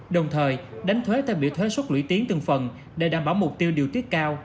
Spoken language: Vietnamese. đồng thời đánh thuế theo biểu thuế xuất lũy tiến từng phần để đảm bảo mục tiêu điều tiết cao